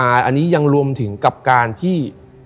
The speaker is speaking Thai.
อันนี้ยังรวมถึงกับการที่